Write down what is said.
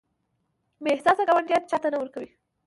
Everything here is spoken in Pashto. بې احساسه ګاونډیان چاته نه ورکوي.